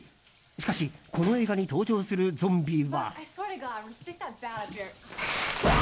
しかし、この映画に登場するゾンビは。